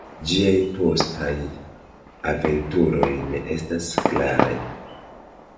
Ĝiaj postaj aventuroj ne estas klaraj.